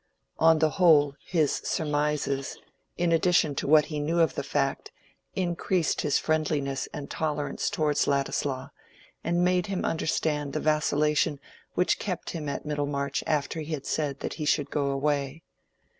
On the whole his surmises, in addition to what he knew of the fact, increased his friendliness and tolerance towards Ladislaw, and made him understand the vacillation which kept him at Middlemarch after he had said that he should go away.